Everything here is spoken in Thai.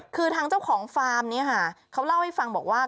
คือทางเจ้าของฟาร์มนี้ค่ะเขาเล่าให้ฟังบอกว่า